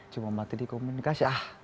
cuma mati di komunikasi